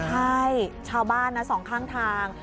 ใช่ชาวบ้านนะสองข้างทาง